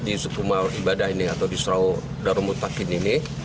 di sekumar ibadah ini atau di seluruh darumutakin ini